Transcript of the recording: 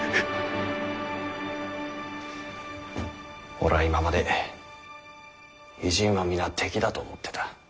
俺は今まで異人は皆敵だと思ってた。